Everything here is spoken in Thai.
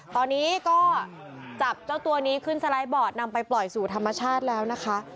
ตอนนี้ก็จับเจ้าตัวนี้ขึ้นสไลด์บอร์ดนำไปปล่อยสู่ธรรมชาติแล้วนะคะ